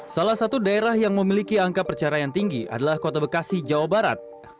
salah satu daerah yang memiliki angka perceraian tinggi adalah kota bekasi jawa barat